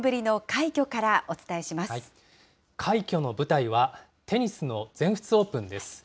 快挙の舞台は、テニスの全仏オープンです。